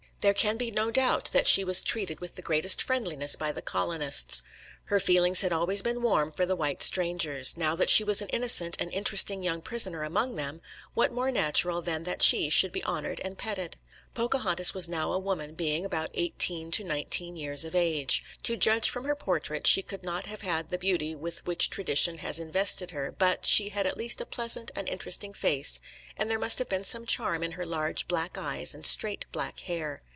There can be no doubt that she was treated with the greatest friendliness by the colonists. Her feelings had always been warm for the white strangers. Now that she was an innocent and interesting young prisoner among them, what more natural than that she should be honoured and petted? Pocahontas was now a woman, being about eighteen to nineteen years of age. To judge from her portrait she could not have had the beauty with which tradition has invested her, but she had at least a pleasant and interesting face, and there must have been some charm in her large black eyes and straight black hair.